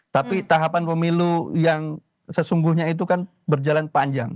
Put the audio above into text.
tapi tahapan pemilu yang sesungguhnya itu kan berjalan panjang